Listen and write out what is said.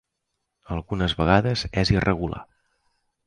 Algunes vegades és irregular.